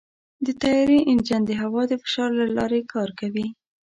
د طیارې انجن د هوا د فشار له لارې کار کوي.